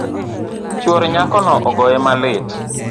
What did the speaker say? Chuor nyakono ogoye malit